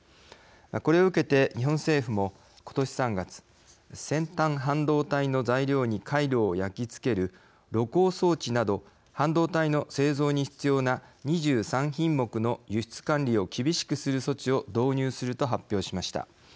これを受けて日本政府も今年３月先端半導体の材料に回路を焼き付ける露光装置など半導体の製造に必要な２３品目の輸出管理を厳しくする措置を導入すると発表しました。